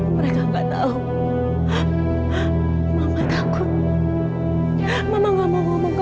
mama yang udah membuat hubungan kita sama aida